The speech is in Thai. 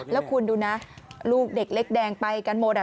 แล้วคุณดูนะลูกเด็กเล็กแดงไปกันหมดอ่ะ